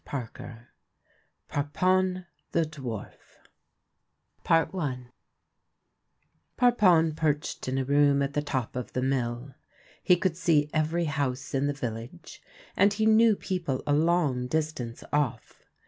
PARPON THE DWARF PARPON THE DWARF PARPON perched in a room at the top of the mill. He could see every house in the village, and he knew people a long distance off.